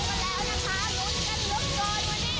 โคลเตอร์ขาลุ้นกันหลุ้นแล้ว